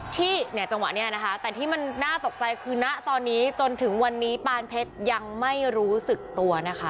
แต่ที่มันหน้าตกใจคือน่ะตอนนี้จนถึงวันนี้ปานเพชรยังไม่รู้สึกตัวนะคะ